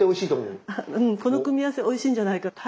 うんこの組み合わせおいしいんじゃないかと。